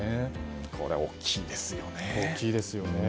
これは大きいですよね。